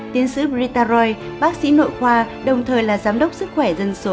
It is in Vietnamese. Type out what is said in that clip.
tiến sĩ brita roy bác sĩ nội khoa đồng thời là giám đốc sức khỏe dân số